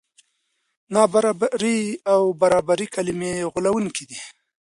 نابرابري او برابري کلمې غولوونکې دي.